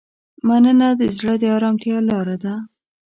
مننه د زړه د ارامتیا لاره ده.